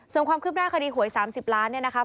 ส่วนความคลิบหน้าคดีหวย๓๐ล้านบาท